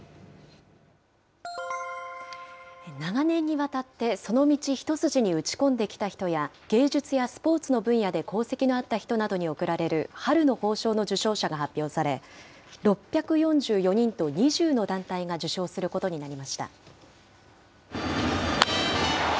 長年にわたってその道一筋に打ち込んできた人や、芸術やスポーツの分野で功績のあった人などに贈られる春の褒章の受章者が発表され、６４４人と２０の団体が受章することになりました。